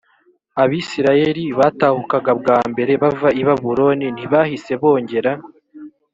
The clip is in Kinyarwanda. abisirayeli batahukaga bwa mbere bava i babuloni ntibahise bongera